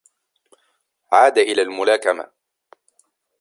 عاد إلى الملاكمة.